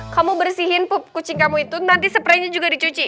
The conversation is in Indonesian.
kamu bersihin pup kucing kamu itu nanti sepray nya juga dicuci